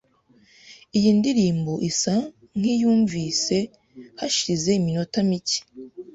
Iyi ndirimbo isa nkiyunvise hashize iminota mike .